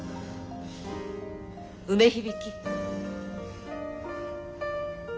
梅響。